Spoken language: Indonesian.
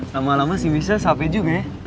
lama lama sih bisa sampai juga ya